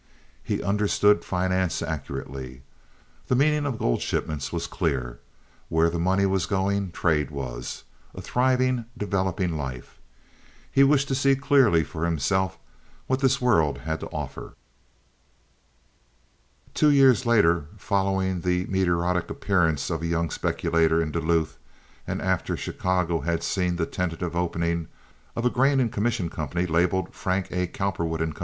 He understood finance accurately. The meaning of gold shipments was clear. Where money was going trade was—a thriving, developing life. He wished to see clearly for himself what this world had to offer. Two years later, following the meteoric appearance of a young speculator in Duluth, and after Chicago had seen the tentative opening of a grain and commission company labeled Frank A. Cowperwood & Co.